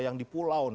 yang di pulau